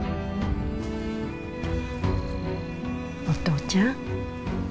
お父ちゃん。